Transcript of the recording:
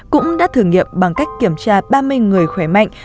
cũng đã thử nghiệm bằng cách kiểm tra ba mươi người khỏe mạnh